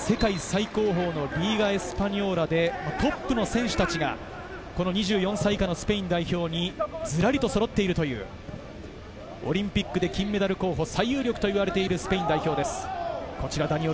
世界最高峰のリーガ・エスパニョーラでトップの選手たちが２４歳以下のスペイン代表にずらりとそろっているという、オリンピックで金メダル候補最有力といわれているスペイン代表です。